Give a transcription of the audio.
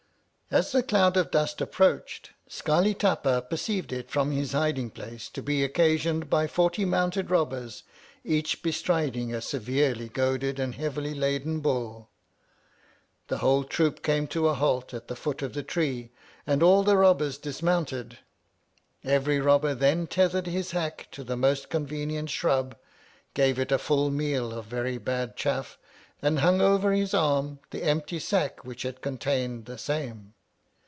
As the cloud of dust approached, Scarli Tapa perceived it from his hiding place to be occasioned by forty mounted robbers, each bestriding a severely goaded and heavily laden Bull. The whole troop came to a halt at the foot of the tree, and all the robbers dismounted. Every robber then tethered his hack to the most convenient shrub, gave it a full meal of very bad chaff, and hung over his arm the empty sack which had contained the same.